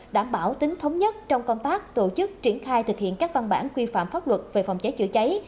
đảm bảo tính thống nhất trong công tác tổ chức triển khai thực hiện các văn bản quy phạm pháp luật về phòng cháy chữa cháy